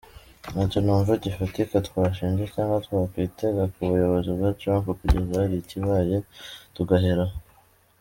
Ntacyo numva gifatika twashinja cyangwa twakwitega ku buyobozi bwa Trump kugeza hari ikibaye tugaheraho.